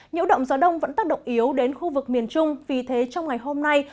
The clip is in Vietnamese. nhiễu động gió đông vẫn tác động yếu đến khu vực miền trung vì thế trong ngày hôm nay